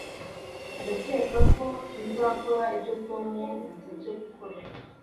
Ndakeka ko nzakora ibyo Tom yansabye gukora